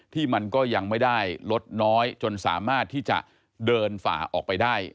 ที่มันก็ยังไม่ได้ลดน้อยจนสามารถที่จะเดินฝ่าออกไปได้